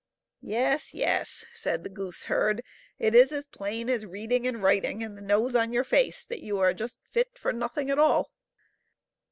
" Yes, yes," said the gooseherd, " it is as plain as reading and writing and the nose on your face that you are just fit for nothing at all!